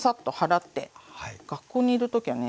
学校にいる時はね